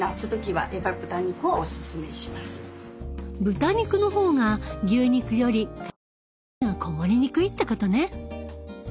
豚肉の方が牛肉より体に熱がこもりにくいってことね。